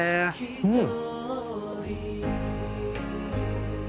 うん！